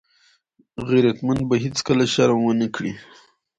غیرتمند به هېڅکله شرم ونه کړي